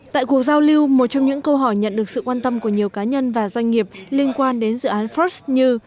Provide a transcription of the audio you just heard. tại cuộc giao lưu một trong những câu hỏi nhận được sự quan tâm của nhiều cá nhân và doanh nghiệp liên quan đến dự án first như